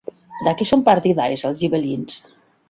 De qui són partidaris els gibel·lins?